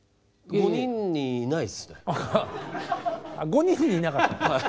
５人にいなかった。